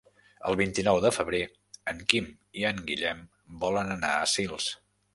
El vint-i-nou de febrer en Quim i en Guillem volen anar a Sils.